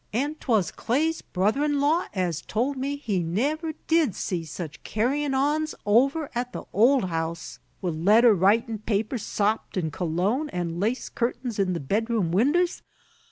An' 'twas Clay's brother in law as tol' me he never did see such carryin's on over at the old house, with letter writin' paper sopped in cologne, an' lace curtains in the bed room winders.